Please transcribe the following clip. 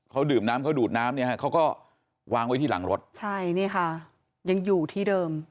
เขาดื่มน้ำเขาดูดน้ำเนี่ยฮะเขาก็วางไว้ที่หลังรถใช่นี่ค่ะยังอยู่ที่เดิม